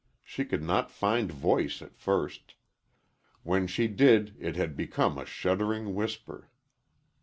She could not find voice at first. When she did, it had become a shuddering whisper.